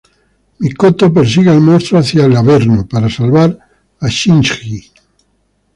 Mikoto persigue al monstruo hacia el averno, para salvar a Shinji.